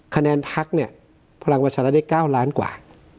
คะแนนพักเนี่ยพลังประชารัฐได้๙ล้านกว่า